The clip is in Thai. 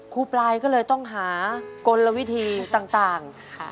ปลายก็เลยต้องหากลวิธีต่าง